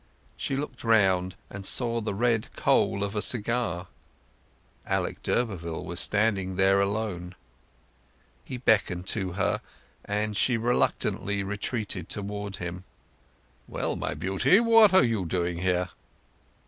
She looked round, and saw the red coal of a cigar: Alec d'Urberville was standing there alone. He beckoned to her, and she reluctantly retreated towards him. "Well, my Beauty, what are you doing here?"